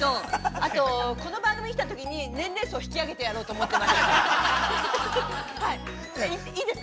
あと、この番組に来たときに、年齢層を引き上げてやろうと思っています。